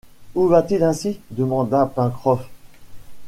Où va-t-il ainsi? demanda Pencroff.